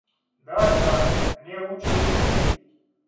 Да да, мне лучше уйти.